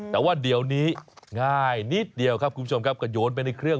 แต่ว่าเดี๋ยวนี้ง่ายนิดเดียวครับคุณผู้ชมครับก็โยนไปในเครื่อง